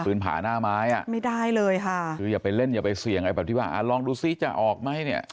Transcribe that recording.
ปืนผาหน้าไม้อะคืออย่าไปเล่นอย่าไปเสี่ยงอะไรแบบที่ว่าลองดูสิจะออกไหมเนี่ย